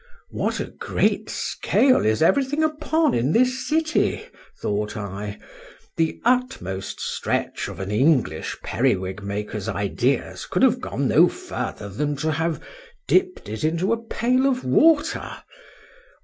— What a great scale is every thing upon in this city thought I.—The utmost stretch of an English periwig maker's ideas could have gone no further than to have "dipped it into a pail of water."